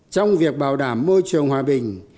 trong việc bảo đảm môi trường hòa bình